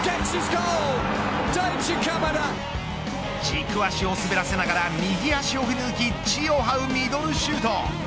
軸足を滑らせながら右足を振り抜き地をはうミドルシュート。